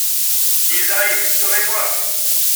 Ils arrivent ! sauvez-moi !